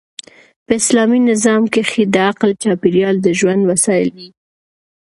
په اسلامي نظام کښي د عقل چاپېریال د ژوند وسایل يي.